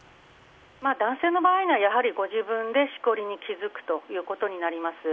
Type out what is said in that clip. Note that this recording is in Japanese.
男性の場合、ご自分でしこりに気付くということになります。